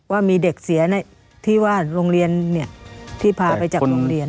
ว่ามีเด็กเสียที่ว่าโรงเรียนที่พาไปจากโรงเรียน